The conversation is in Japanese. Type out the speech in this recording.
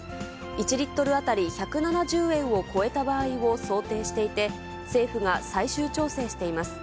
１リットル当たり１７０円を超えた場合を想定していて、政府が最終調整しています。